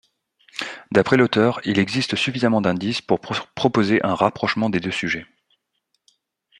D'après l'auteur, il existe suffisamment d'indices pour proposer un rapprochement des deux sujets.